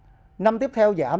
năm nay năm tiếp theo giảm